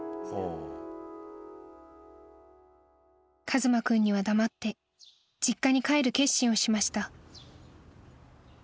［一馬君には黙って実家に帰る決心をしました］